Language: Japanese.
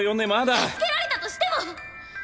助けられたとしても！